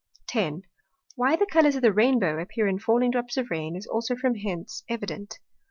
10. Why the Colours of the Rainbow appear in falling drops of Rain, is also from hence evident.